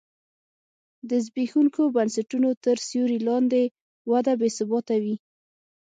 د زبېښونکو بنسټونو تر سیوري لاندې وده بې ثباته وي.